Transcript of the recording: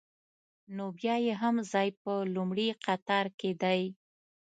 نو بیا یې هم ځای په لومړي قطار کې دی.